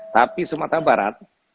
tapi sumatera barat